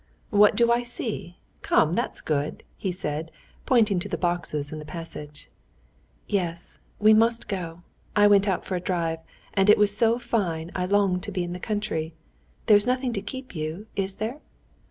"What do I see? Come, that's good!" he said, pointing to the boxes in the passage. "Yes, we must go. I went out for a drive, and it was so fine I longed to be in the country. There's nothing to keep you, is there?"